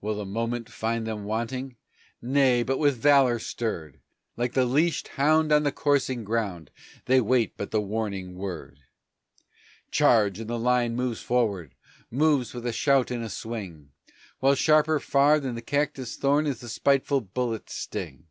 Will the moment find them wanting! Nay, but with valor stirred! Like the leashed hound on the coursing ground they wait but the warning word. "Charge!" and the line moves forward, moves with a shout and a swing, While sharper far than the cactus thorn is the spiteful bullet's sting.